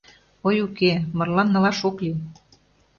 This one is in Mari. Ой, уке, марлан налаш ок лий.